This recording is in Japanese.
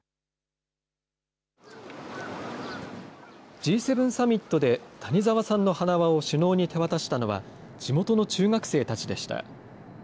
Ｇ７サミットで谷沢さんの花輪を首脳に手渡したのは、地元の中学生たちでした。